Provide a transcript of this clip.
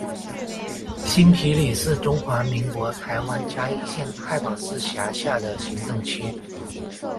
新埤里是中华民国台湾嘉义县太保市辖下的行政区。